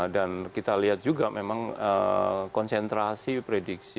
dan kita lihat juga memang konsentrasi prediksi